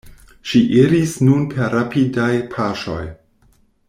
Ŝi iris nun per rapidaj paŝoj.